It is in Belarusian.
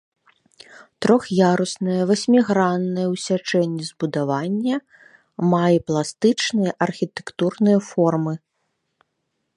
Трох'яруснае васьміграннае ў сячэнні збудаванне мае пластычныя архітэктурныя формы.